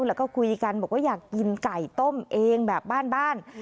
แล้วก็คุยกันบอกว่าอยากกินไก่ต้มเองแบบบ้าน